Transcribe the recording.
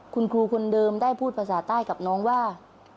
คุณครูคนเดิมได้พูดภาษาใต้กับน้องว่า